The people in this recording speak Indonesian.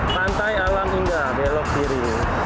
pantai alam hingga belok kiri